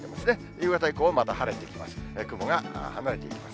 夕方以降はまた晴れてきます。